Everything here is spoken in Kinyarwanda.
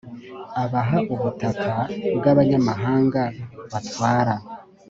Abaha ubutaka bw abanyamahanga Batwara